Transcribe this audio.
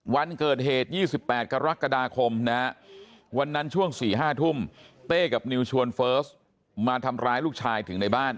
วันเกิดเหตุ๒๘กรกฎาคมนะฮะวันนั้นช่วง๔๕ทุ่มเต้กับนิวชวนเฟิร์สมาทำร้ายลูกชายถึงในบ้าน